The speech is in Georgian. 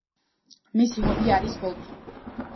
მის ჰობი არის გოლფი.